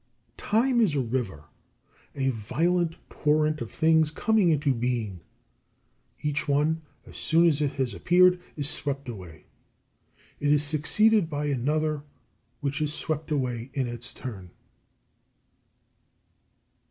43. Time is a river, a violent torrent of things coming into being. Each one, as soon as it has appeared, is swept away: it is succeeded by another which is swept away in its turn.